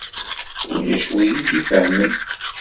Ulac win i yi-d-ifehhmen.